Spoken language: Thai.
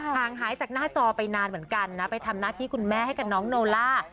หายจากหน้าจอไปนานเหมือนกันนะไปทำหน้าที่คุณแม่ให้กับน้องโนล่า